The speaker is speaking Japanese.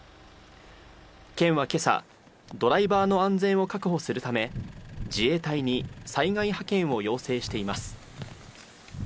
県は今朝、ドライバーの安全を確保するため、自衛隊に災害派遣を要請しています。